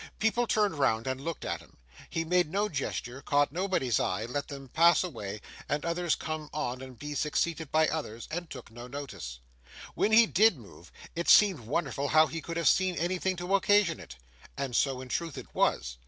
People turned round and looked at him; he made no gesture, caught nobody's eye, let them pass away, and others come on and be succeeded by others, and took no notice. When he did move, it seemed wonderful how he could have seen anything to occasion it. And so, in truth, it was.